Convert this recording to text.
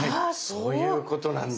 そういうことなんだ。